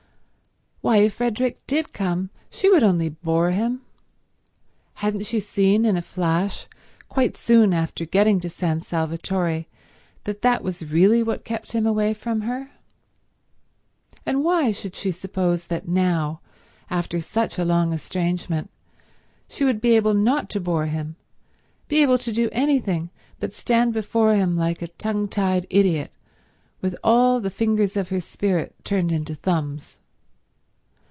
Why, if Frederick did come she would only bore him. Hadn't she seen in a flash quite soon after getting to San Salvatore that that was really what kept him away from her? And why should she suppose that now, after such a long estrangement, she would be able not to bore him, be able to do anything but stand before him like a tongue tied idiot, with all the fingers of her spirit turned into thumbs?